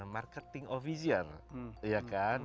marketing of vision ya kan